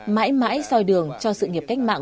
mãi mãi soi đường cho sự nghiệp cách mạng